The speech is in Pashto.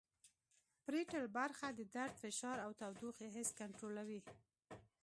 پریټل برخه د درد فشار او تودوخې حس کنترولوي